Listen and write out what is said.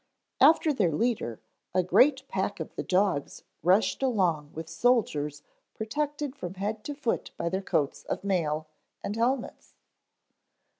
After their leader, a great pack of the dogs rushed along with soldiers protected from head to foot by their coats of mail and helmets.